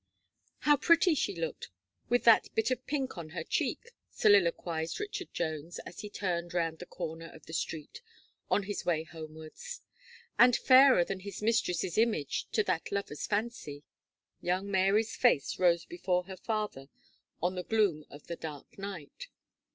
"How pretty she looked, with that bit of pink on her cheek," soliloquized Richard Jones, as he turned round the corner of the street on his way homewards; and fairer than his mistress's image to the lover's fancy, young Mary's face rose before her father on the gloom of the dark night.